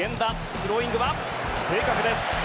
スローイングは正確です。